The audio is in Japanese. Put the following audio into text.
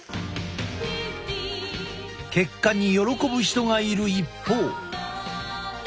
結果に喜ぶ人がいる一方。